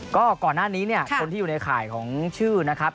ก็ก่อนหน้านี้เนี่ยคนที่อยู่ในข่ายของชื่อนะครับ